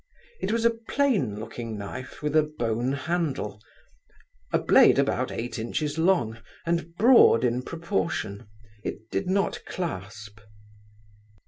It was a plain looking knife, with a bone handle, a blade about eight inches long, and broad in proportion, it did not clasp.